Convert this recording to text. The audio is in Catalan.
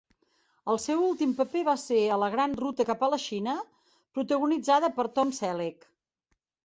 El seu últim paper va ser a "La gran ruta cap a la Xina", protagonitzada per Tom Selleck.